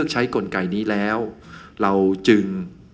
กลไกนี้แล้วเราจึง